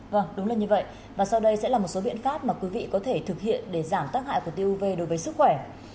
vâng đúng là như vậy và sau đây sẽ là một số biện pháp mà quý vị có thể thực hiện để giảm tác hại của tiêu uv đối với sức khỏe